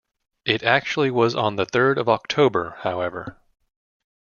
It actually was on the third of "October", however.